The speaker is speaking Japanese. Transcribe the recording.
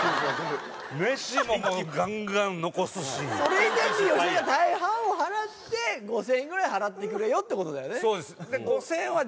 それ以前に吉田が大半を払って５０００円ぐらい払ってくれよ！ってことだよね。